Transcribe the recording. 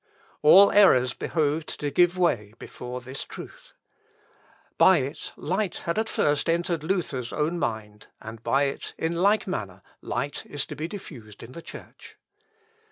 All errors behoved to give way before this truth. By it light had at first entered Luther's own mind, and by it, in like manner, light is to be diffused in the Church.